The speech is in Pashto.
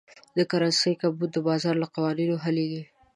د کرنسۍ کمبود د بازار له قوانینو حلېږي.